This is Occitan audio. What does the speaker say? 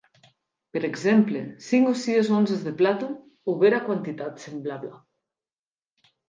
Per exemple, cinc o sies onzes de plata o bèra quantitat semblabla.